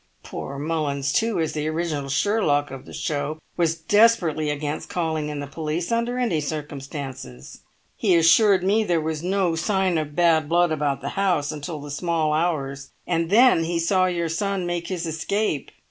Poor Mullins, too, as the original Sherlock of the show, was desperately against calling in the police under any circumstances. He assured me there was no sign of bad blood about the house, until the small hours, and then he saw your son make his escape.